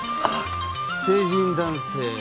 あっ成人男性